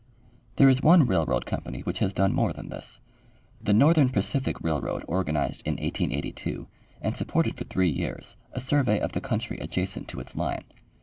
There is one railroad company which has done more than this. The Northern Pacific railroad organized in 1882, and sup ported for three years, a survey of the country adjacent to its line.